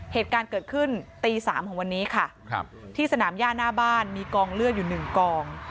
เหตุการณ์เกิดขึ้นตี๓ของวันนี้ค่ะครับที่สนามย่าหน้าบ้านมีกองเลือดอยู่หนึ่งกอง